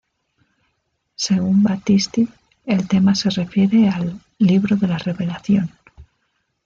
Según Battisti, el tema se refiere al "Libro de la Revelación".